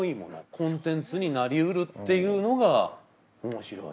コンテンツになりうるっていうのが面白い。